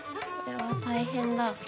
これは大変だ。